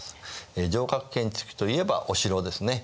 城郭建築といえばお城ですね。